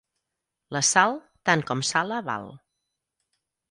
La sal tant com sala val.